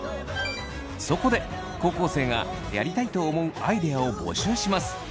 そこで高校生がやりたいと思うアイデアを募集します。